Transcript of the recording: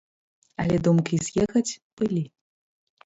Але думкі з'ехаць былі.